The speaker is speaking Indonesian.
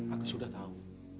aku sudah tahu